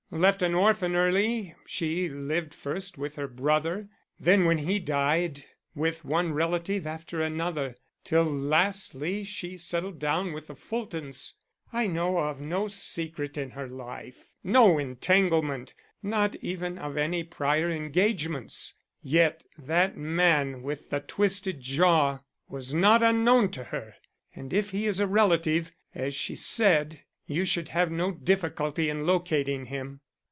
Left an orphan early, she lived first with her brother; then when he died, with one relative after another, till lastly she settled down with the Fultons. I know of no secret in her life, no entanglement, not even of any prior engagements. Yet that man with the twisted jaw was not unknown to her, and if he is a relative, as she said, you should have no difficulty in locating him."